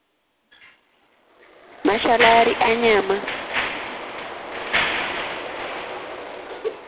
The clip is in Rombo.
Mashalarii anyama.